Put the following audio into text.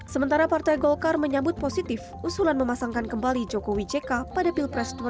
sementara partai golkar menyambut positif usulan memasangkan kembali jokowi jk pada pilpres dua ribu sembilan belas